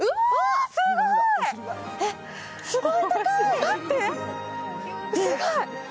すごーい！